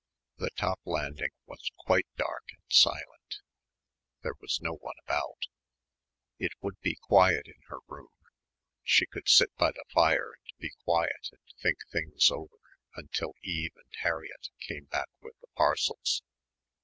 The top landing was quite dark and silent. There was no one about. It would be quiet in her room. She could sit by the fire and be quiet and think things over until Eve and Harriett came back with the parcels.